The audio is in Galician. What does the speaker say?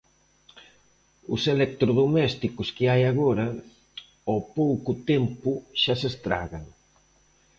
Os electrodomésticos que hai agora, ao pouco tempo xa se estragan.